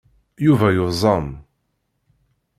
Yuba yuẓam.